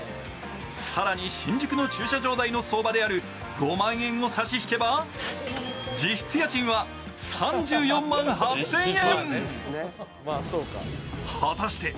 更に新宿の駐車場代の相場である５万円を差し引けば実質家賃は３４万８０００円。